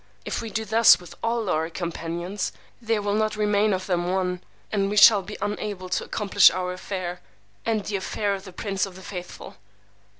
If we do thus with all our companions, there will not remain of them one; and we shall be unable to accomplish our affair, and the affair of the Prince of the Faithful.